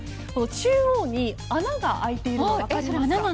中央に穴が開いているのが分かります。